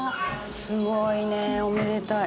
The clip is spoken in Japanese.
すごいね。おめでたい。